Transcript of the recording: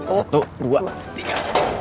satu dua tiga